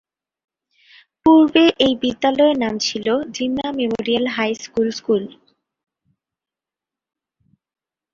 পূর্বে এই বিদ্যালয়ের নাম ছিল Jinnah memorial high school school.